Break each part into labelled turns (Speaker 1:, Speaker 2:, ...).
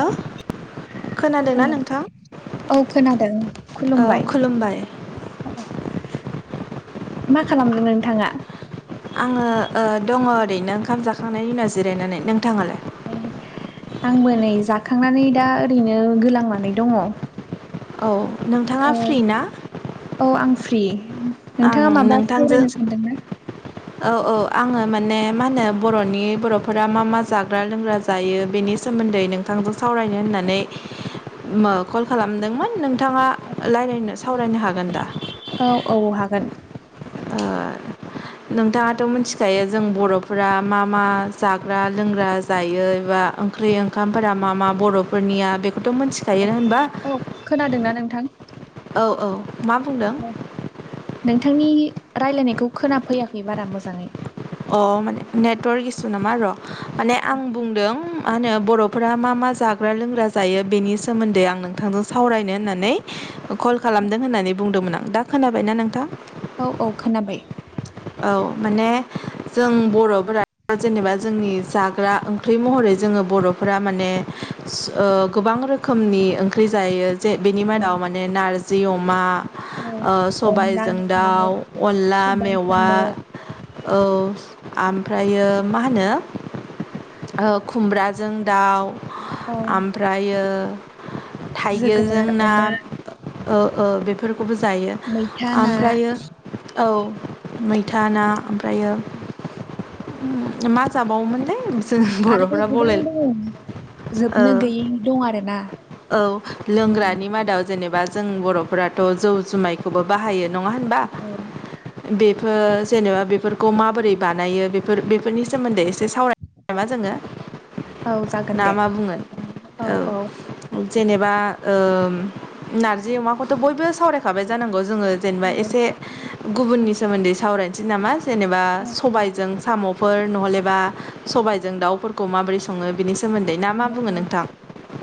Speaker 1: [unintelligible] [inaudible] खोनादोंना
Speaker 2: हेलौ
Speaker 1: नोंथां
Speaker 2: औ खोनादों
Speaker 1: औ
Speaker 2: खुलुमबाय
Speaker 1: खुलुमबाय [unintelligible]
Speaker 2: औ
Speaker 1: [inaudible]
Speaker 2: मा खालामदों नोंथाङा
Speaker 1: आङो ओ दङ ओरैनो ओंखाम जाखांनायनि उनाव जिरायनानै नोंथाङालाय
Speaker 2: आंबो नै जाखांनानै दा ओरैनो गोलांनानै दङ
Speaker 1: औ नोंथाङा फ्रि ना
Speaker 2: औ आं फ्रि
Speaker 1: आं
Speaker 2: नोंथाङा माबा
Speaker 1: नोंथांजों
Speaker 2: सावरायनो सानदोंना
Speaker 1: औ औ आङो माने मा होनो बर'नि बर'फोरा मा मा जाग्रा लोंग्रा जायो बेनि सोमोन्दै नोंथां सावरायनो होननानै कल खालामदोंमोन नों नोंथाङा लाइरायनो सावरायनो हागोन दा
Speaker 2: औ औ हागोन
Speaker 1: [unintelligible] [inaudible] नोंथाङाथ' मिथिखायो जों बर'फोरा मा मा जाग्रा लोंग्रा जायो एबा ओंखाम औंखरि मा मा बर'नि खौथ' मिथिखायोना होनबा
Speaker 2: औ खोनादोंना नोंथां
Speaker 1: औ औ मा बुंदों
Speaker 2: औ नोंथांनि रायलायनायखौ खोनाफैयाखै बारा मोजाङै
Speaker 1: अ माने नेटवरक इसु नामा र' माने आं बुंदों मा होनो बर'फोरा मा मा मा जाग्रा लोंग्रा जायो बेनि सोमोन्दै आं नोंथांजों सावरायनो होननानै कल खालामदों होननानै नानै बुंदोंमोन आं दा खोनाबायनाा नोंथां
Speaker 2: औ औ खोनाबाय
Speaker 1: औ माने जों बर'फोरा जेनेबा जोंनि जाग्रा ओंख्रि महरै जोङो बर'फोरा माने गोबां रोखोमनि ओंख्रि जायो जे बेनि
Speaker 2: औ
Speaker 1: मादाव माने नारजि अमा
Speaker 2: औ
Speaker 1: ओ सबायजों दाउ अनला
Speaker 2: सबाय
Speaker 1: मेव वा
Speaker 2: साम'
Speaker 1: औ ओमफ्रायो मा होनो खुमब्राजों दाउ
Speaker 2: औ
Speaker 1: आमफ्रायो
Speaker 2: जोगोनार
Speaker 1: थाइगिरजोंना
Speaker 2: अमा
Speaker 1: बेफोरखौबो जायो
Speaker 2: मैथा ना
Speaker 1: ओमफ्रायो औ मैथा ना ओमफ्रायो मा जाबावोमोनले जों
Speaker 2: आरोबाव
Speaker 1: बर'फोरा
Speaker 2: गोबां
Speaker 1: बावलाय
Speaker 2: दङ जोबनो गैयै दं आरो ना
Speaker 1: औ लोंग्रानि मादाव जेनेबा जों बर'फोराथ' जौ जुमायखौबो बाहायो। नङा होनबा
Speaker 2: औ
Speaker 1: बेफोर जेनेबा बेफोरखौ माबोरै बानायो। बेफोर बेफोरनि सोमोन्दै एसे सावरायबाय मा जोङो।
Speaker 2: औ जागोन
Speaker 1: ना
Speaker 2: दे
Speaker 1: मा बुङो
Speaker 2: औ औ
Speaker 1: जेनेबा ओ नारजि अमाखौथ' बयबो सावरायखाबाय जानांगौ। जोङो
Speaker 2: औ
Speaker 1: जेनेबा एसे गुबुननि नि सावरायनोसै नामा। जेनेबा
Speaker 2: औ
Speaker 1: सबायजों साम'फोर नहलेबा सबायजों दाउफोरखौ माबोरै सङो बिनि सोमोन्दै ना मा बुङो नोंथां।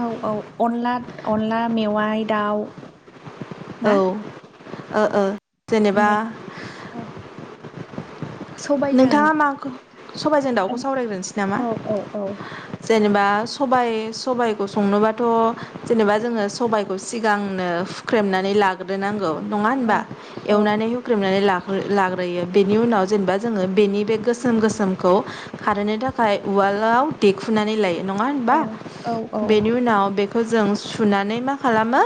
Speaker 2: औ औ अनला अनला मेवाइ दाउ
Speaker 1: औ
Speaker 2: ना
Speaker 1: ओ ओ जेनेबा
Speaker 2: दे औ सबायजों
Speaker 1: नोंथाङा माखौ सबायजों
Speaker 2: औ
Speaker 1: दाउखौ सावरायग्रोनोसै नामा?
Speaker 2: औ औ औ
Speaker 1: जेनेबा सबाय सबायखौ संनोबाथ' जेनेबा जोङो सबायखौ सिगांनो हुख्रेमनानै लाग्रो नांगौ। नङा होमबा
Speaker 2: औ औ
Speaker 1: एवनानै होख्रेमनानै लाग्रोयो। बेनि उनाव जेनेबा जोङो बेनि बेग गोसोम गोसोमखौ खारहोनो थाखाय उवालाव देखुनानै लायो। नङा होमबा?
Speaker 2: औ
Speaker 1: बेनि उनाव बेखौ जों सुनानै मा खालामो।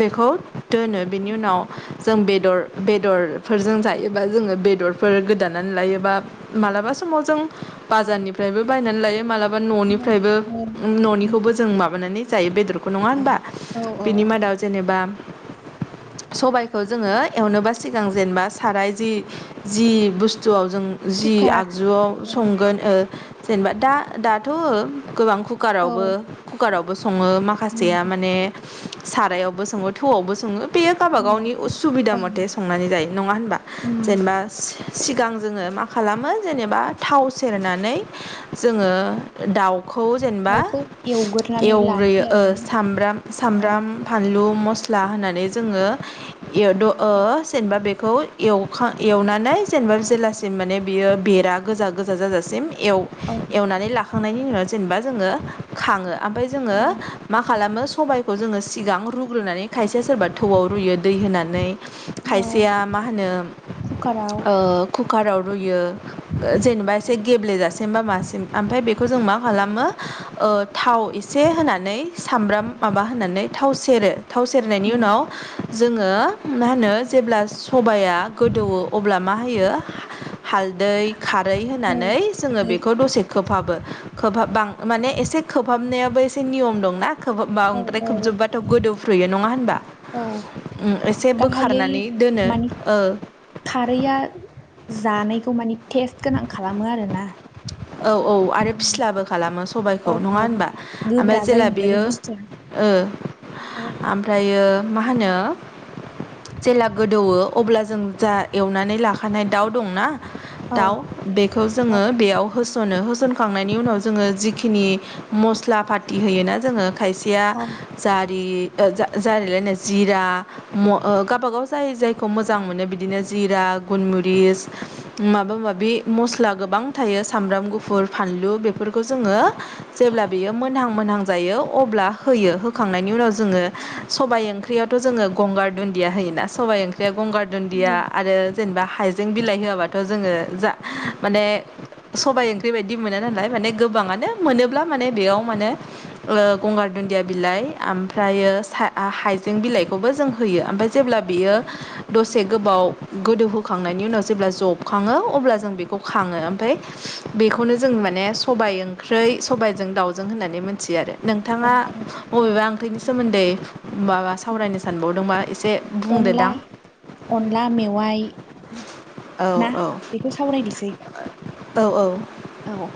Speaker 1: बेखौ दोनो बेनि उनाव जों बेदर बेदरफोरजों जायोबा जोङो बे बेदरफोर गोदानानै लायोबा मालाबा समाव जों बाजारनिफ्रायबो बायनानै लायो। मालाबा न'निफ्रायबो उम न'नि खौबो जों माबानानै जायो। बेदर नङा होनबा
Speaker 2: औ औ
Speaker 1: बिनि मादाव जेनेबा सबायखौ जोङो। एवनोबा सिगां जेनेबा साराय जि जि बुस थुआव जों जि
Speaker 2: कुकार
Speaker 1: आगजुआव
Speaker 2: औ
Speaker 1: संगोन ओ जेनेबा दा दाथ' गोबां
Speaker 2: औ
Speaker 1: खुखारावबो खुखारारावबो सङो। माखासेया माने सारायावबो सङो। थौवाबो सङो बेयो गावबा गावनि उसुबिदा मथे संनानै जायो नङा होनबा। जेनेबा सिगां जोङो मा खालामो जेनेबा थाव सेरनानै जोङो दाउखौ जेनेबा
Speaker 2: दाउखौ एवग्रोनानै
Speaker 1: एवग्रोयो
Speaker 2: लानोसै
Speaker 1: ओ
Speaker 2: आरोना
Speaker 1: सामब्राम, सामब्राम, फानलु, मस्ला होननानै जोङो। इयावद' ओ जेनेबा बेखौ एवखा एवनानै जेनेबा जेला सिम माने बेयो बेरा गोजा गोजा जाजास सिम एव
Speaker 2: औ
Speaker 1: एवनानै लाखांनायनि उनाव जेनेबा जोङो खाङो। आमफाय जोङो मा खालामो सबायखौ जोङो सिगां रुग्रोनानै खायसेया सोरबा थौआव रुयो दै होनानै। खायसे सेया मा होनो
Speaker 2: खुखाराव
Speaker 1: राव रुयो। ओ जेनेबा एसे गेब्लेेजासिम बा मासिम ओमफ्राय बेखौ जों मा खालामो? ओ थाव एसे होनानै सामब्राम माबा होनानै थाव सेरो। थाव सेरनायनि
Speaker 2: उम
Speaker 1: उनाव जोङो मा होनो? जेब्ला सबाया गोदौवो अब्ला मा होयो? हालदै खारै
Speaker 2: औ
Speaker 1: होनानै जोङो
Speaker 2: खारै
Speaker 1: बेखौ दसे खोबहाबबो। खोबहाबबा माने एसे खोबहाबनायाबो एसे नियम दंना। खोबबा
Speaker 2: औ
Speaker 1: बांद्राय
Speaker 2: औ
Speaker 1: खोबजोब्बाथ' गोदौफ्रुयो नंङा होनबा?
Speaker 2: औ
Speaker 1: उम एसे बोखारनानै दोनो ओ
Speaker 2: खारैआ जानायखौ माने टेस्ट गोनां खालामो आरोना।
Speaker 1: औ औ आरो फिसलबो खालामो स सबायखौ
Speaker 2: औ
Speaker 1: नङा
Speaker 2: औ
Speaker 1: होनबा? ओमफाय
Speaker 2: गोब्रा जायो
Speaker 1: जेला
Speaker 2: नालाय बे
Speaker 1: बियो
Speaker 2: बुस्थुआ
Speaker 1: ओ ओमफ्रायो मा होनो जेला गोदौवो अब्ला जों जा एवनानै लाखानाय दाउ दंना
Speaker 2: औ
Speaker 1: दाउ बेखौ
Speaker 2: औ
Speaker 1: जोङो बेयाव होस'नो होस फोनखांनायनि उनाव जोङो जिखिनि मस्ला फाथि होयोना जोङो खायसेया
Speaker 2: औ
Speaker 1: जारि ओ जा जारिलायनो जिरा म ओ गावबा गाव जाय जायखौ मोजां मोनो बिदिनो जिरा गुनमुद रिस माबा माबि मस्ला गोबां थायो सामब्राम गुफुर फानलु बेफोरखौ जोङो जेब्ला बेयो मोनहां मोनहां जायो अब्ला होयो होखांनायनि उनाव जोङो सबाइ ओंख्रियावथ' जोङो गंगार दुन्दिया होयो ना सबाइ ओंख्रिया गंगार दुन्दिया
Speaker 2: औ औ
Speaker 1: आरो जेनेबा जों बिलाइ होआबाथ' जोङो जा माने सबाइ ओंख्रि बायदि मोनो नालाय माने गोबाङानो मोनोब्ला माने बेयाव मानो गंगार दुन्दिया बिलाइ आमफ्रायो सा ओ हाइजें बिलाइखौबो जों होयो ओमफ्राय जेब्ला बियो दसे गोबाव गोदौहोखांनाय नि उनाव जेब्ला जबखाङो अब्ला जों बेखौ खाङो ओमफ्राय बेखौनो जों माने सबाइ ओं ख्रै सबाइजों दाउजों होननानै मोनथियो आरो। नोंथाङा
Speaker 2: औ
Speaker 1: बबेबा ओंख्रिनि सोमोन्दै माबा सावरायनो सानबावदोंबा एसे बुंदो
Speaker 2: अनला
Speaker 1: दां
Speaker 2: अनला मेवाइ
Speaker 1: औ
Speaker 2: ना
Speaker 1: औ
Speaker 2: बेखौ सावरायनोसै
Speaker 1: औ औ।
Speaker 2: औ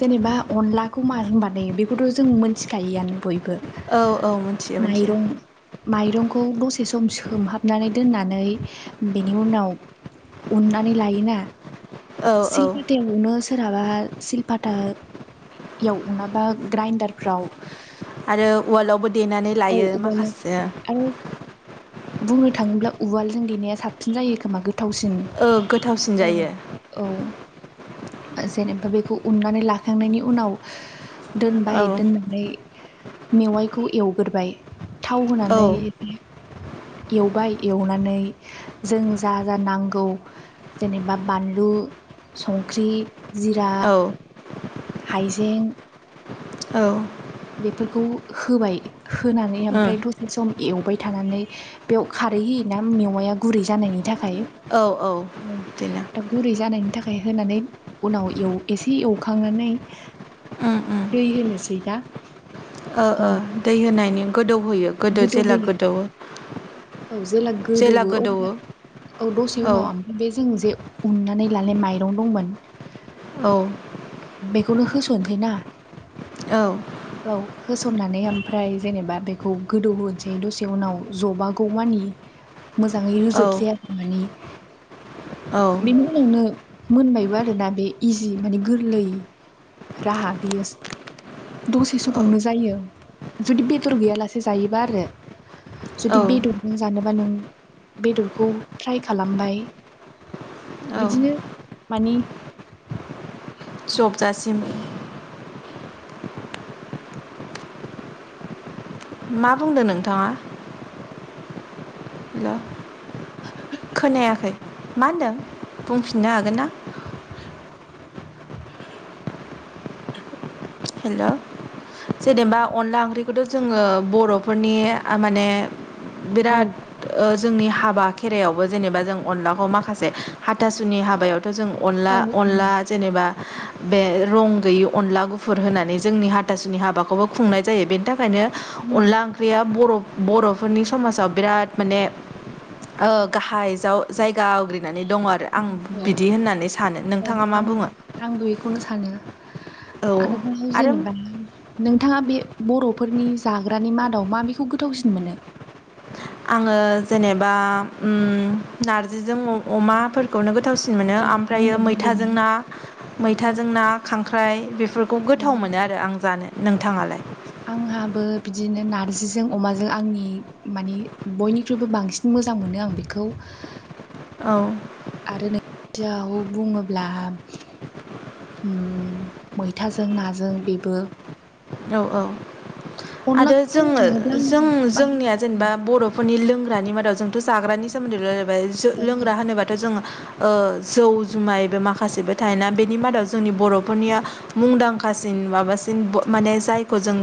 Speaker 2: जेनेबा अनलाखौ माजों बानायो बेखौथ' जों मोनथिखायोआनो बय बो
Speaker 1: औ औ मिथियो मिथियो
Speaker 2: माइरं माइरंखौ दसे सम सो सोमहाबनानै दोननानै बेनि उनाव उननानै लायोना
Speaker 1: औ औ
Speaker 2: सिलपाथायाव उनो माबा सिलपतायाव उनाबा ग्राइन्दारफ्राव
Speaker 1: आरो उवालावबो देनानै लायो
Speaker 2: उवालाव
Speaker 1: माखासे
Speaker 2: आरो बुंनो थाङोब्ला उवालजों देनाया साबसिन जायो खोमा गोथ थावसिन
Speaker 1: ओ गोथावसिन
Speaker 2: औ
Speaker 1: जायो
Speaker 2: औ। जेनेबा बेखौ उन्नानै लाखांनायनि उनाव
Speaker 1: औ
Speaker 2: दोनबाय दोननानै मेवाइखौ एवग्रोबाय थाव
Speaker 1: औ
Speaker 2: होनानै एवबाय एवनानै जों जा जा नांगौ जेनेबा बानलु संख्रि जिरा
Speaker 1: औ
Speaker 2: हाइजें
Speaker 1: औ
Speaker 2: बेफोरखौ होबाय होनानै
Speaker 1: ओ
Speaker 2: ओमफ्राय दसे सम एवबाय थानानै बेयाव खारै होयोना मेवाया गुरै जानायनि थाख खाय
Speaker 1: औ औ बिदिनो
Speaker 2: दा गुरै जानायनि थाखाय होनानै उनाव एव एसे एवखांनानै
Speaker 1: उम उम
Speaker 2: दै होनोसै दा
Speaker 1: ओ ओ
Speaker 2: औ
Speaker 1: दै होनायनि गोदौहोयो गोदो जेला
Speaker 2: गोदौहोयो
Speaker 1: गोदौवो।
Speaker 2: औ जेला गोदौवो अब्ला औ दसे उनाव ओम बे जों जे उननानै लानाय माइरं दंमोन
Speaker 1: औ
Speaker 2: खौनो होस'नसैना
Speaker 1: औ
Speaker 2: औ होस'ननानै ओमफ्राय जेनेबा बेखौ गोदौहोसै दसे उनाव जबागौ मानि मोजाङै
Speaker 1: औ
Speaker 2: रोजोब जायाखै माने
Speaker 1: औ
Speaker 2: बेनि उनावनो मोनबायबो आरोना बे इजि माने गोरलै राहा बेयो दसे
Speaker 1: औ
Speaker 2: समावनो जायो। जुदि बेदर गैयालासे जायोबा आरो
Speaker 1: औ
Speaker 2: जुदि बेदरजों जानोबा नों बेदरखौ फ्राय खालामबाय
Speaker 1: औ
Speaker 2: बिदिनो माने
Speaker 1: जबजासिम मा बुंदो नोंथाङा? हेल' खोनायाखै मा होनदों बुंफिननो हागोन ना?
Speaker 2: [inaudible]
Speaker 1: हेल'। जेनेबा अनला ओंख्रिखौथ' जोङो बर'फोरनि माने
Speaker 2: औ
Speaker 1: बिराट ओ जोंनि हाबा खेराइायावबो जेनेबा जों अनलाखौ माखासे हाथासुनि हाबायाव जों अनला
Speaker 2: औ उम
Speaker 1: अनला जेबा बे रं गयि अला गु गफुर होनानै जोंनि हाथासुनि हाबाखौबो खुंनाय जायो बेनि थाखायनो
Speaker 2: औ
Speaker 1: अनला ओंख्रिया बर'फ बर'फोरनि समाजाव बिराद माने गाहाय जाव जाय गा आवग्रिनानै दं आरो आं बिदि होननानै सानो
Speaker 2: औ
Speaker 1: नोंथाङा मा
Speaker 2: आं
Speaker 1: बुङो
Speaker 2: आंबो बेखौनो सानो
Speaker 1: औ
Speaker 2: आरोबाव
Speaker 1: आरो
Speaker 2: जेनेबा नोंथाङा बे बर'फोरनि जाग्रानि मादाव मा बेखौ गोथावसिन मोनो।
Speaker 1: आङो जेनेबा उम नारजिजों अमाफोरखौनो गो थावसिन मोनो
Speaker 2: औ आंनाबो बेनो
Speaker 1: ओमफ्राजों ना
Speaker 2: औ
Speaker 1: मैथाजों ना खांख्राइ बे फोरफोरखौ गोथाव
Speaker 2: औ।
Speaker 1: मोनो आरो आं जानो नोंथाङालाय?
Speaker 2: आंहाबो बिदिनो नारजिजों अमाजों आंनि माने बयनिख्रुइबो बांसिन मो मोजां मोनो आं बेखौ।
Speaker 1: औ
Speaker 2: आरो नों बुङोब्ला उम मैथाजों नाजों बेबो
Speaker 1: औ औ आरो
Speaker 2: अनलाखौ बुंनो
Speaker 1: जोङो
Speaker 2: थाङोब्ला
Speaker 1: जों
Speaker 2: आं बारा
Speaker 1: जोंनिया जेनेबा बर'फोरनि लोंग्रानि मादाव जोंथ' जाग्रानि सोमोन्दै'बाय लोंग्रा होनोबाथ' जोङो ओ जौ जुमायबो माखासेबो थायोना बेनि मादाव जोंनि बर'फोरनिया मुंदांखासिन माबासिन ब माने जायखौ जों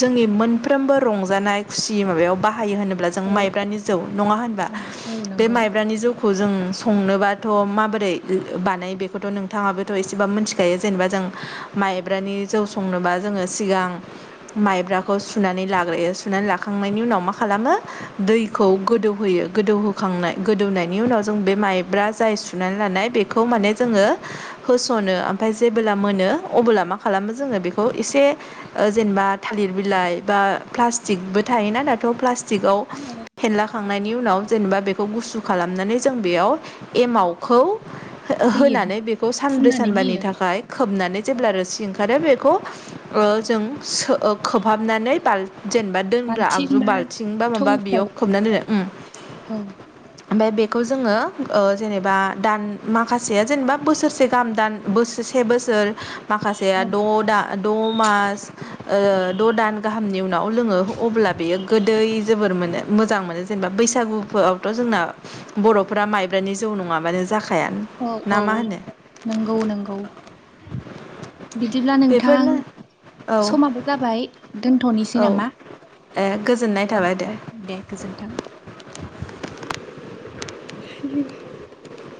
Speaker 1: जोंनि मोनफ्रोमबो रंजानाय खुसि माबायाव बाहायो होनोब्ला जों
Speaker 2: औ
Speaker 1: माइब्रानि जौ नङा होनबा
Speaker 2: औ
Speaker 1: बे
Speaker 2: नंगौ
Speaker 1: माइब्रानि जौखौ जों संनोबाथ' माबोरै बानायो बेखौथ' नोंथाङाबोथ' एसेबा मिथिखायो जेनेबा जों माइब्रानि जौ संनोबा जोङो सिगां माइब्राखौ सुनानै लाग्रोयो सुनानै लाखांनायनि उनाव मा खालामो। दैखौ गोदौहोयो गोदौ खांनाय गोदौनायनि उनाव जों बे मायब्रा जाय सुनानै लानाय बेखौ माने जोङो होसन ओफाय जेबोला मोनो अबोला मा खालामो जङ बेखौ एसे जेनेबा थालिर बिलाइ बा प्लास्टिकबो थायोना दाथ' प्लास्टिकआव फेनला खांनायनि उनाव जेनेबा बेखौ गुसु खालामनानै जों बेयाव एमावखौ
Speaker 2: होयो
Speaker 1: होनानै बेखौ सानब्रै
Speaker 2: फुननानै
Speaker 1: सानबानि
Speaker 2: होयो
Speaker 1: थाखाय खोबनानै जेब्ला रोसि ओंखारो बेखौ ओ जों खोबहाबनानै बालथि जेनेबा दोनग्रा
Speaker 2: बाल्थिं
Speaker 1: आगजु
Speaker 2: बा
Speaker 1: बाल्थिं बा माबा बेयाव
Speaker 2: थौफ्राव
Speaker 1: खोबनानै दोनो
Speaker 2: औ
Speaker 1: ओफाय बेखौ जोङो ओ जेनेबा दान माखासेया जेनेबा बोसोरसे गाहाम दान बोसोरसे बोसोर माखासेया द' दा द' मास ओ द' दान गाहामनि उनाव लोङो अब्ला बेयो गोदै जोबोर मोनो मोजां मोनो जेनेबा बैसागुफोरावथ' जोंना बर'फोरा माइब्रानि जौ नङा बानो
Speaker 2: औ औ नंगौ नंगौ बिदिब्ला नों थां
Speaker 1: बेफोरनो औ
Speaker 2: समाबो जाबाय दोनथ'नोसै
Speaker 1: औ
Speaker 2: नामा
Speaker 1: ए गोजोननाय थाबाय
Speaker 2: औ दे गोजोन्थों। [inaudible]